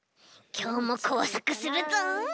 きょうもこうさくするぞ！